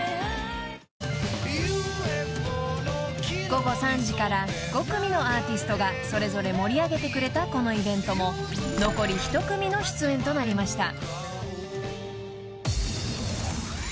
［午後３時から５組のアーティストがそれぞれ盛り上げてくれたこのイベントも残り１組の出演となりました］